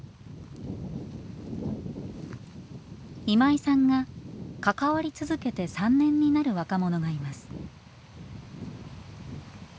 今井さんが関わり続けて３年になる若者がいます。